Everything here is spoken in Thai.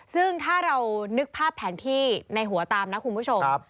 ซึ่งถ้าเรานึกภาพแผนที่ในหัวตามนะคุณผู้ชม